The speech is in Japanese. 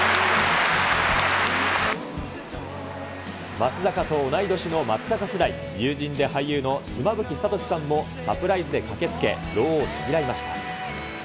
松坂と同い年の松坂世代、友人で俳優の妻夫木聡さんもサプライズで駆けつけ、労をねぎらいました。